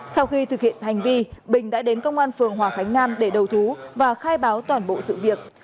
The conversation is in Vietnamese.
sau khi thực hiện hành vi bình đã đến công an phường hòa khánh nam để đầu thú và khai báo toàn bộ sự việc